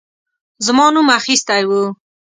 زما نوم اخیستی وو.